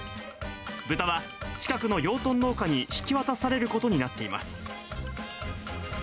豚は近くの養豚農家に引き渡されることになっています。